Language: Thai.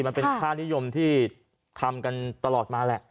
มันเป็นค่านิยมที่ทำกันตลอดมาแหละ